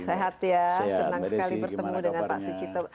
sehat ya senang sekali bertemu dengan pak su cipto